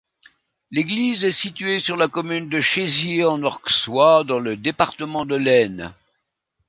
L'église est située sur la commune de Chézy-en-Orxois, dans le département de l'Aisne.